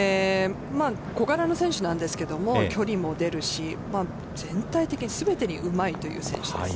小柄な選手なんですけれども、距離も出るし、全体的に、すべてにうまいという選手です。